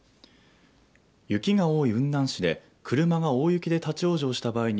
雪が多い雲南市で車が大雪で立往生した場合に